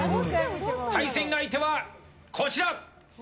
対戦相手は、こちら！